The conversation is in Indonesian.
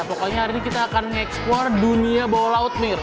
pokoknya hari ini kita akan ekspor dunia bawah laut mir